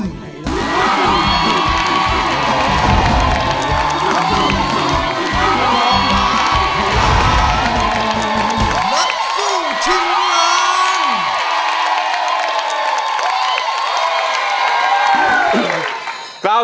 นัดสู้ชิ้นงาน